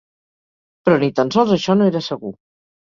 Però ni tan sols això no era segur